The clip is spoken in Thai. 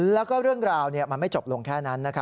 แล้วก็เรื่องราวเนี่ยมันไม่จบลงแค่นั้นนะคะ